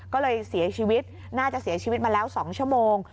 ก็เลยเสียชีวิตน่าจะเสียชีวิตมาแล้ว๒ชั่วโมง